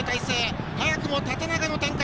早くも縦長の展開。